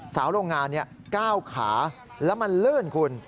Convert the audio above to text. สาวโรงงานก้าวขาแล้วมันลื่นคุณ